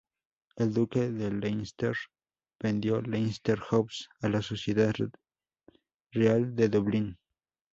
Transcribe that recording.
El duque de Leinster vendió Leinster House a la Sociedad Real de Dublín.